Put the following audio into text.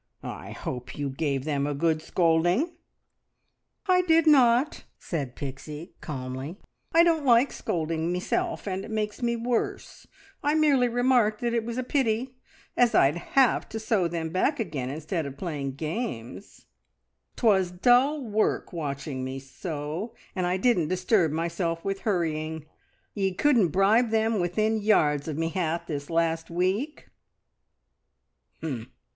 I hope you gave them a good scolding?" "I did not," said Pixie calmly. "I don't like scolding meself, and it makes me worse. I merely remarked that it was a pity, as I'd have to sew them back again instead of playing games. 'Twas dull work watching me sew, and I didn't disturb myself with hurrying. Ye couldn't bribe them within yards of me hat this last week!"